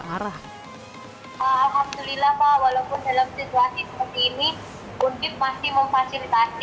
alhamdulillah pak walaupun dalam situasi seperti ini undip masih memfasilitasi